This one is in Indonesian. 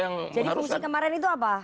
jadi fungsi kemarin itu apa